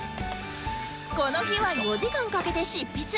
この日は４時間かけて執筆